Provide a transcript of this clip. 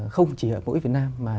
không chỉ ở mỗi việt nam mà